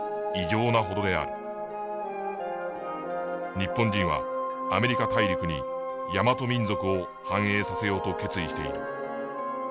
日本人はアメリカ大陸に大和民族を繁栄させようと決意している」。